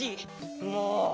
もう！